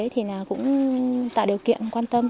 thì cũng tạo điều kiện quan tâm